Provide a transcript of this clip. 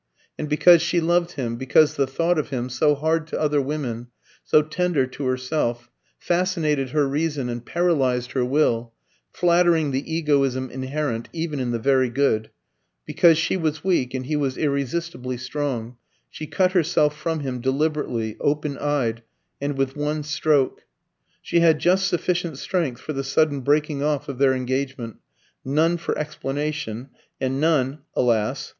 And because she loved him, because the thought of him, so hard to other women, so tender to herself, fascinated her reason and paralysed her will flattering the egoism inherent even in the very good because she was weak and he was irresistibly strong, she cut herself from him deliberately, open eyed, and with one stroke. She had just sufficient strength for the sudden breaking off of their engagement, none for explanation, and none, alas!